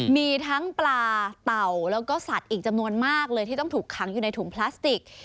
มีทั้งปลาเต่าแล้วก็สัตว์อีกจำนวนมากเลยที่ต้องถูกขังอยู่ในถุงพลาสติก